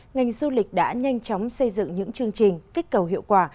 ngành du lịch đã nhanh chóng xây dựng những chương trình kích cầu hiệu quả